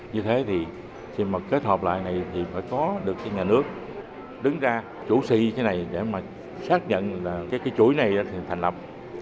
như thế thì kết hợp lại này thì phải có được nhà nước đứng ra chủ sĩ thế này để xác nhận cái chuỗi này thành lập